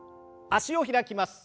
脚を開きます。